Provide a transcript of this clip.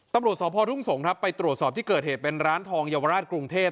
ตำรวจสพทุ่งสงศ์ไปตรวจสอบที่เกิดเหตุเป็นร้านทองเยาวราชกรุงเทพ